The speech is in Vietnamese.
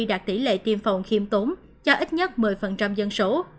đạt tỷ lệ tiêm phòng khiêm tốn cho ít nhất một mươi dân số